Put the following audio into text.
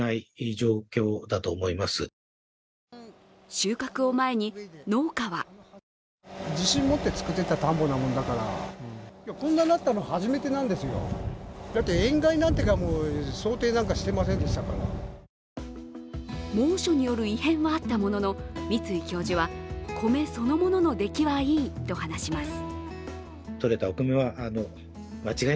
収穫を前に農家は猛暑による異変はあったものの、三ツ井教授は米そのものの出来はいいと話します。